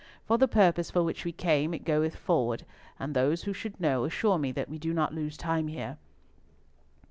For the purpose for which we came, it goeth forward, and those who should know assure me that we do not lose time here.